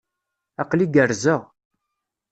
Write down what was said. Aql-i gerrzeɣ.